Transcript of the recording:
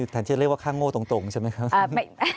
แทนที่จะเรียกว่าค่าโง่ตรงใช่ไหมครับ